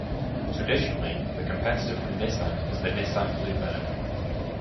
Traditionally, the competitor from Nissan was the Nissan Bluebird.